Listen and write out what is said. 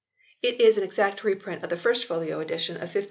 It is an exact reprint of the first folio edition of 1561 2.